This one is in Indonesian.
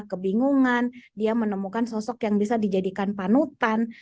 kebingungan dia menemukan sosok yang bisa dijadikan panutan